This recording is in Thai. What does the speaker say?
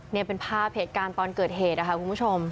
นี่เป็นภาพเหตุการณ์ตอนเกิดเหตุนะคะคุณผู้ชม